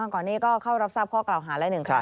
ก่อนนี้ก็เข้ารับทราบข้อกล่าวหาแล้ว๑ครั้ง